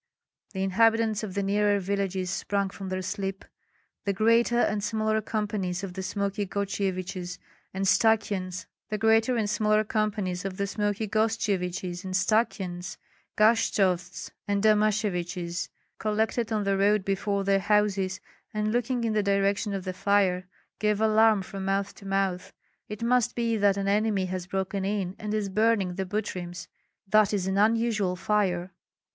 The inhabitants of the nearer villages sprang from their sleep. The greater and smaller companies of the Smoky Gostsyeviches and Stakyans, Gashtovts and Domasheviches, collected on the road before their houses, and looking in the direction of the fire, gave alarm from mouth to mouth: "It must be that an enemy has broken in and is burning the Butryms, that is an unusual fire!"